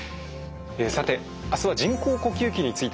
さてあすは人工呼吸器についてです。